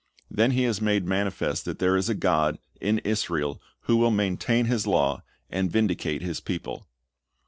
Then He has made manifest that there is a God in Israel who will maintain His law and vindicate His people.